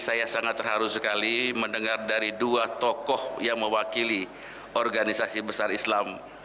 saya sangat terharu sekali mendengar dari dua tokoh yang mewakili organisasi besar islam